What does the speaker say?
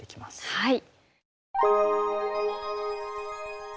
はい。